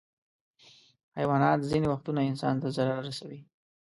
حیوانات ځینې وختونه انسان ته ضرر رسوي.